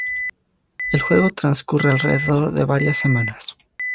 El juego transcurre alrededor de varias semanas.